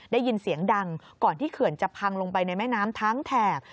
ได้ยินเสียงดังก่อนที่เขื่อนจะพังลงไปในแม่น้ำทั้งแถบ